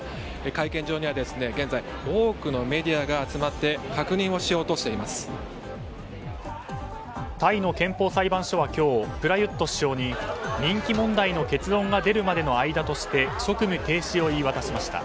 会見場には現在多くのメディアが集まってタイの憲法裁判所は今日プラユット首相に人気問題の結論が出るまでの間として職務停止を言い渡しました。